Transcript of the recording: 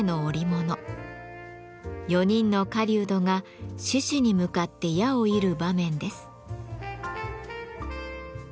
４人の狩人が獅子に向かって矢を射る場面です。